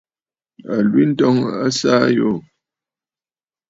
Àlwintɔŋ a saà àyoò.